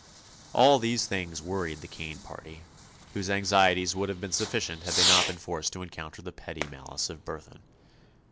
All these things worried the Kane party, whose anxieties would have been sufficient had they not been forced to encounter the petty malice of Burthon.